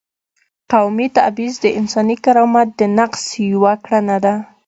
قومي تبعیض د انساني کرامت د نقض یوه کړنه ده.